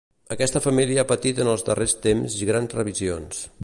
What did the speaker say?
Aquesta família ha patit en els darrers temps grans revisions.